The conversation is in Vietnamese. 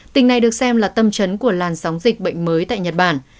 tỉnh này được xem là tâm trấn của làn sóng dịch bệnh mới tại nhật bản